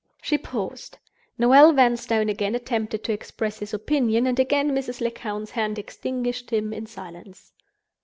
She paused. Noel Vanstone again attempted to express his opinion, and again Mrs. Lecount's hand extinguished him in silence.